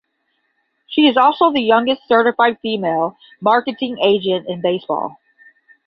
She is also the youngest certified female marketing agent in baseball.